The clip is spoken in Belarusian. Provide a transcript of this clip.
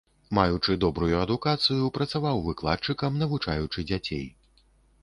Маючы добрую адукацыю, працаваў выкладчыкам, навучаючы дзяцей.